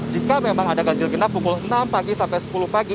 jika memang ada ganjil genap pukul enam pagi sampai sepuluh pagi